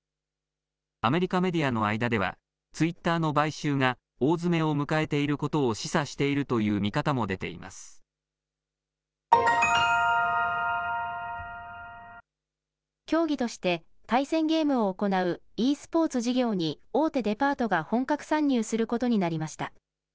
アメリカメディアの間では、ツイッターの買収が大詰めを迎えていることを示唆しているという競技として対戦ゲームを行うｅスポーツ事業に、大手デパートが本格参入することになりました。